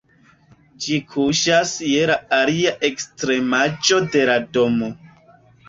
Ĝi kuŝas je la alia ekstremaĵo de la domo.